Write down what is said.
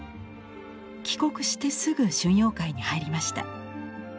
帰国してすぐ春陽会に入りました。